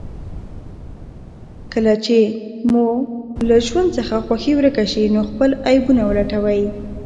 کله چې مو له ژوند څخه خوښي ورکه شي، نو خپل عيبونه ولټوئ.